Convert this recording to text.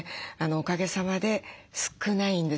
おかげさまで少ないんですね。